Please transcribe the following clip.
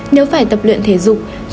nếu phải tập luyện thể dục